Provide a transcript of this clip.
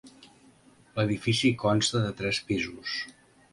L'edifici consta de tres pisos.